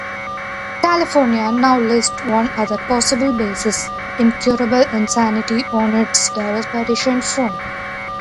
California now lists one other possible basis, "incurable insanity," on its divorce petition form.